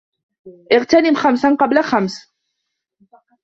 اغْتَنِمْ خَمْسًا قَبْلَ خَمْسٍ